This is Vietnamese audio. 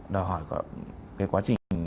đòi hỏi cái quá trình